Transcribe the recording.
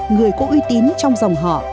người có uy tín trong dòng họ